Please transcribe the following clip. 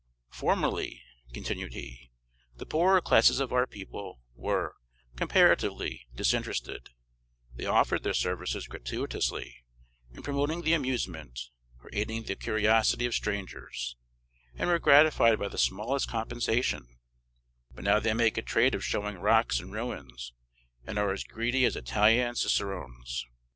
Formerly," continued he, "the poorer classes of our people were, comparatively, disinterested; they offered their services gratuitously, in promoting the amusement, or aiding the curiosity of strangers, and were gratified by the smallest compensation; but now they make a trade of showing rocks and ruins, and are as greedy as Italian cicerones.